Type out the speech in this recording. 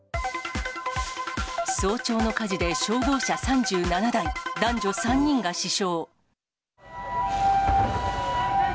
早朝の火事で消防車３７台、男女３人が死傷。